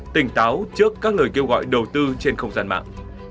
tỉnh táo trước các lời kêu gọi đầu tư trên không gian mạng